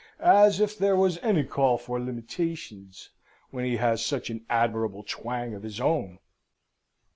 As if there was any call for imiteetions, when he has such an admirable twang of his own!